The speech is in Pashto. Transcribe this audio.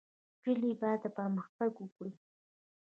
کلي باید پرمختګ وکړي